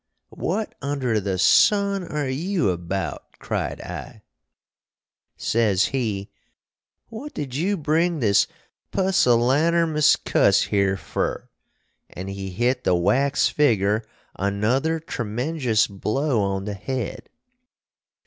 "What under the son are you abowt?" cried I. Sez he, "What did you bring this pussylanermus cuss here fur?" & he hit the wax figger another tremenjus blow on the hed.